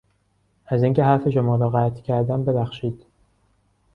از این که حرف شما را قطع کردم ببخشید.